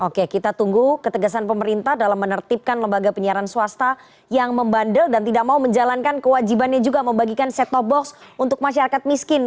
oke kita tunggu ketegasan pemerintah dalam menertibkan lembaga penyiaran swasta yang membandel dan tidak mau menjalankan kewajibannya juga membagikan set top box untuk masyarakat miskin